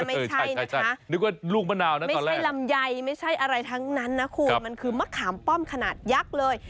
ไม่ใช่ลำไยไม่ใช่อะไรทั้งนั้นนะคุณมันคือมะขามป้อมขนาดยักษ์เลย